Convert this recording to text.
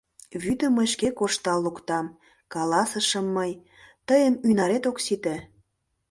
— Вӱдым мый шке коштал луктам, — каласышым мый, — тыйын ӱнарет ок сите.